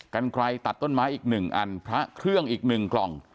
กันไกลตัดต้นไม้อีก๑อันพระเครื่องอีก๑กล่อง